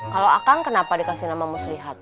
kalau akang kenapa dikasih nama muslihat